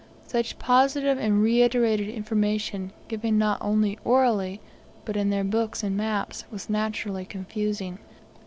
Such positive and reiterated information given not only orally, but in their books and maps was naturally confusing.